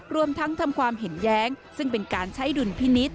รวมทั้งทำความเห็นแย้งซึ่งเป็นการใช้ดุลพินิษฐ